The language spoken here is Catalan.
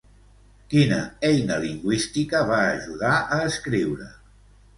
Quina eina lingüística va ajudar a escriure?